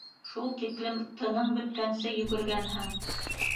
Шул тиклем, тының бөткәнсе йүгергәнһең...